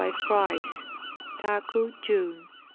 Fr. Taku, June.